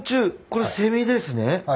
これはセミですね。